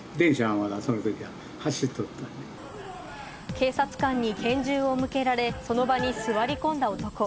警察官に拳銃を向けられ、その場に座り込んだ男。